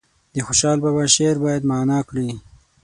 د خوشحال بابا شعر باید معنا کړي.